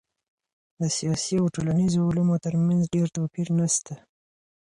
د سیاسي او ټولنیزو علومو ترمنځ ډېر توپیر نسته.